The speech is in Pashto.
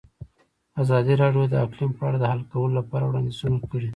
ازادي راډیو د اقلیم په اړه د حل کولو لپاره وړاندیزونه کړي.